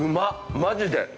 マジで。